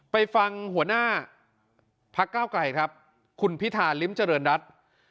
ไปฟังหัวหน้าพักเก้าไกลครับคุณพิธาริมเจริญรัฐ